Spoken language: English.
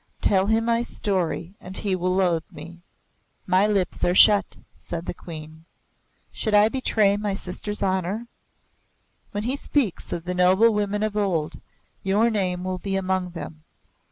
Tell him my story and he will loathe me." "My lips are shut," said the Queen. "Should I betray my sister's honour? When he speaks of the noble women of old, your name will be among them.